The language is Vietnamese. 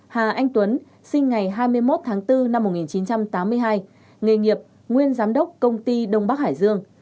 hà anh tuấn sinh ngày hai mươi một tháng bốn năm một nghìn chín trăm tám mươi hai nghề nghiệp nguyên giám đốc công ty đông bắc hải dương